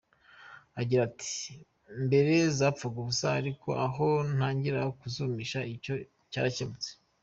Agira ati “Mbere zapfaga ubusa ariko aho ntangiriye kuzumisha icyo cyarakemutse.